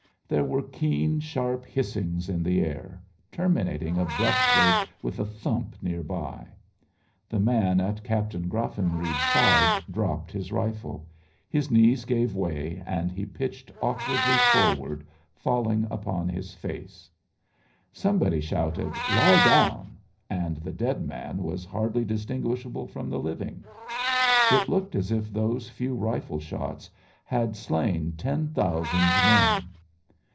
There were keen, sharp hissings in the air, terminating abruptly with a thump near by. The man at Captain Graffenreid's side dropped his rifle; his knees gave way and he pitched awkwardly forward, falling upon his face. Somebody shouted "Lie down!" and the dead man was hardly distinguishable from the living. It looked as if those few rifle shots had slain ten thousand men.